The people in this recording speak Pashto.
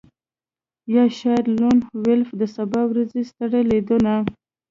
یا شاید لون وولف د سبا ورځې ستر لیدونه